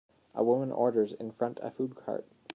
A woman orders in front a food cart.